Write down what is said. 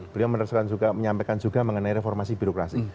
beliau meneruskan juga menyampaikan juga mengenai reformasi birokrasi